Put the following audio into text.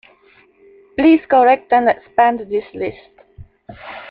Please correct and expand this list.